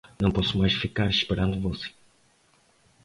Não posso mais ficar esperando você.